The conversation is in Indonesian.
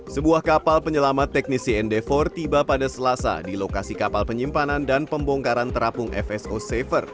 sebuah kapal penyelamat teknisi nd empat tiba pada selasa di lokasi kapal penyimpanan dan pembongkaran terapung fso safer